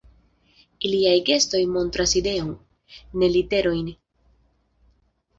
Iliaj gestoj montras ideon, ne literojn.